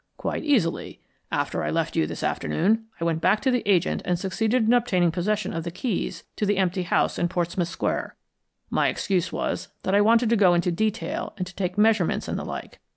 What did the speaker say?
"Quite easily. After I left you this afternoon I went back to the agent and succeeded in obtaining possession of the keys of the empty house in Portsmouth Square. My excuse was that I wanted to go into detail and to take measurements and the like.